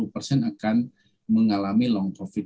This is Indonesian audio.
sepuluh tiga puluh persen akan mengalami long covid